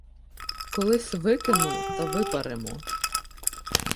— Колись викину та випаримо.